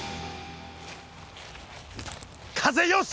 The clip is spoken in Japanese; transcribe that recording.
風よし！